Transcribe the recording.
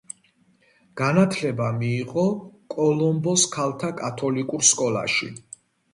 განათლება მიიღო კოლომბოს ქალთა კათოლიკურ სკოლაში.